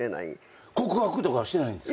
告白とかはしてないんですか？